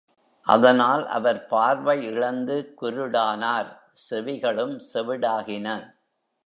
அதனால், அவர் பார்வை இழந்து குருடரானார் செவிகளும் செவிடாகின.